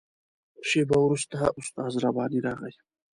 شېبه وروسته استاد رباني راغی.